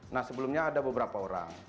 nah sebelumnya ada beberapa orang